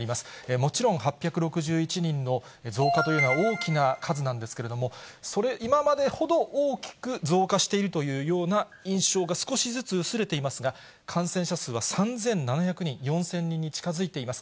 もちろん、８６１人の増加というのは大きな数なんですけれども、今までほど大きく増加しているというような印象が少しずつ薄れていますが、感染者数は３７００人、４０００人に近づいています。